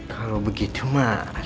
kalau begitu mah